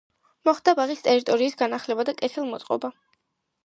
მოხდა ბაღის ტერიტორიის განახლება და კეთილმოწყობა.